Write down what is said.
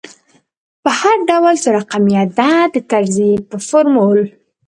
په هر ډول څو رقمي عدد د تجزیې په فورمول